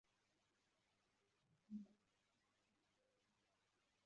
Igihugu by’Eziye y’emejyepfo eshyire iburesirezube